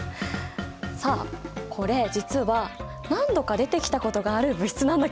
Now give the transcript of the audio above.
さあこれ実は何度か出てきたことがある物質なんだけど！